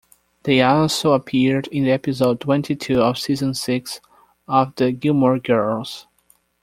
They also appeared in episode twenty-two of season six of the "Gilmore Girls".